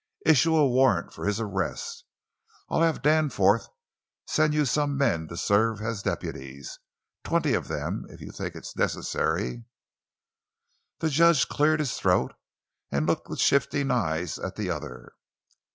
Issue a warrant for his arrest. I'll have Danforth send you some men to serve as deputies—twenty of them, if you think it necessary!" The judge cleared his throat and looked with shifting eyes at the other.